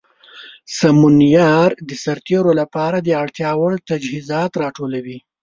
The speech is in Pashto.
سمونیار د سرتیرو لپاره د اړتیا وړ تجهیزات راټولوي.